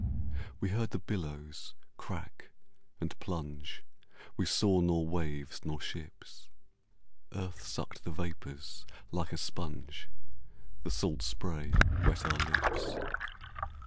We heard the billows crack and plunge, We saw nor waves nor ships. Earth sucked the vapors like a sponge, The salt spray wet our lips.